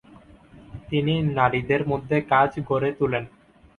তিনি নারীদের মধ্যে কাজ গড়ে তোলেন।